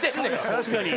確かに。